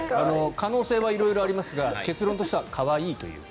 可能性は色々ありますが結論としては可愛いという。